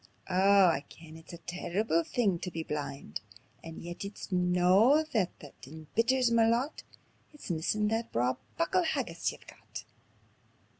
Oh I ken it's a terrible thing tae be blind; And yet it's no that that embitters ma lot It's missin' that braw muckle haggis ye've got."